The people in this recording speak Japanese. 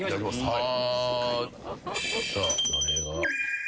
はい。